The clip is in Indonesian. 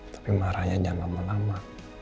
tapi marahnya jangan lama lama